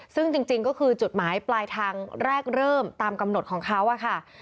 ซึ่งจริงก็คือจุดหมายปลายทางแรกเริ่มตามกำหนดของเขาค่ะ